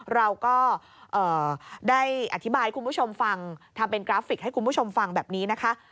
เราก็ได้อธิบายให้คุณผู้ชมฟังทำเป็นกราฟิกให้คุณผู้ชมฟังแบบนี้นะคะ